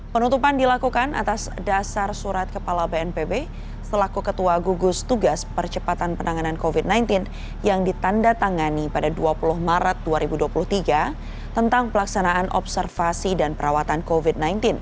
penutupan dilakukan atas dasar surat kepala bnpb selaku ketua gugus tugas percepatan penanganan covid sembilan belas yang ditanda tangani pada dua puluh maret dua ribu dua puluh tiga tentang pelaksanaan observasi dan perawatan covid sembilan belas